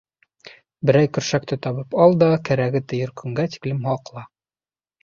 Берәй көршәкте табып ал да кәрәге тейер көнгә тиклем һаҡла.